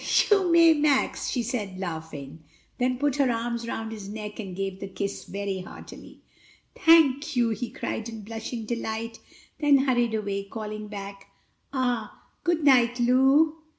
"You may, Max," she said, laughing, then put her arms round his neck and gave the kiss very heartily. "Thank you," he cried in blushing delight; then hurried away, calling back, "Ah, good night, Lu!"